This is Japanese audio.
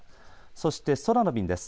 そして空の便です。